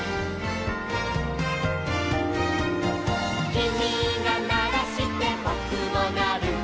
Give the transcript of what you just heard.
「きみがならしてぼくもなる」